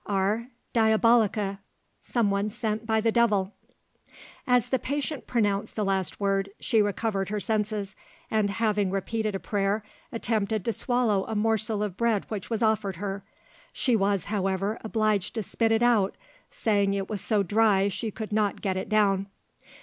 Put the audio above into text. R. Diabolica. Someone sent by the devil. As the patient pronounced the last word she recovered her senses, and having repeated a prayer, attempted to swallow a morsel of bread which was offered her; she was, however, obliged to spit it out, saying it was so dry she could not get it down.